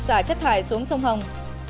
và chất thải xuống sông hồng